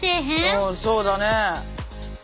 うんそうだね。